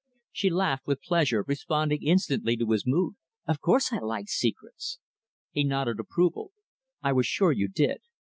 She laughed with pleasure responding instantly to his mood. "Of course I like secrets." He nodded approval. "I was sure you did.